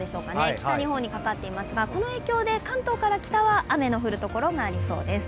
北日本にかかっていますが、この影響で関東から北は雨が降るところがありそうです。